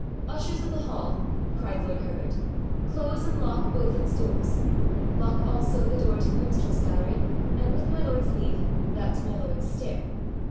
'Ushers of the hall,' cried lord Herbert, 'close and lock both its doors. Lock also the door to the minstrels' gallery, and, with my lord's leave, that to my lord's stair.